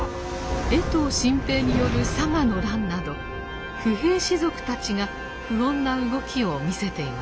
江藤新平による佐賀の乱など不平士族たちが不穏な動きを見せていました。